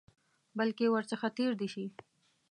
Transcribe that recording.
بلکې ورڅخه تېر دي شي.